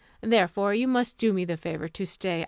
Therefore you must do me the favour to stay.